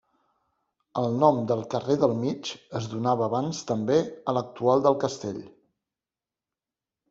El nom del carrer del Mig es donava abans també a l'actual del castell.